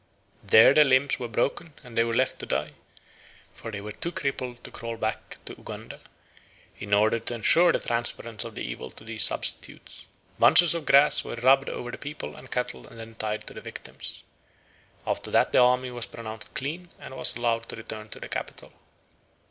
There their limbs were broken and they were left to die; for they were too crippled to crawl back to Uganda. In order to ensure the transference of the evil to these substitutes, bunches of grass were rubbed over the people and cattle and then tied to the victims. After that the army was pronounced clean and was allowed to return to the capital.